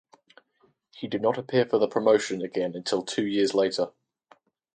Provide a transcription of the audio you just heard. He did not appear for the promotion again until two years later.